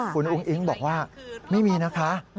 คุณอุ้งอิ๊งบอกว่าไม่มีนะคะ